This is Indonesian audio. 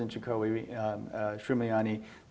yang akan dilakukan oleh